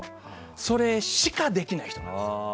それしかできない人なんですよ。